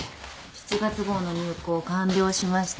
７月号の入稿完了しました。